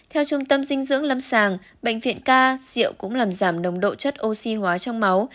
theo trung tâm dinh dưỡng lâm sàng bệnh viện ca rượu cũng làm giảm nồng độ chất oxy hóa trong máu